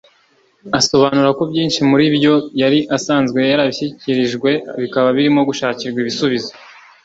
asobanura ko byinshi muri byo yari asanzwe yarabishyikirijwe bikaba birimo gushakirwa ibisubizo